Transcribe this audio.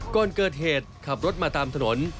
ก่อนเกิดเหตุขับรถมาตามถนน